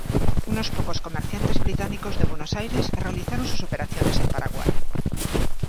Unos pocos comerciantes británicos de Buenos Aires realizaron sus operaciones en Paraguay.